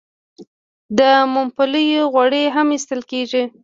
د ممپلیو غوړي هم ایستل کیږي.